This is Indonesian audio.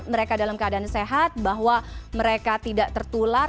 mereka dalam keadaan sehat bahwa mereka tidak tertular